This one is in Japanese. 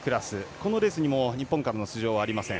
このレースにも日本からの出場ありません。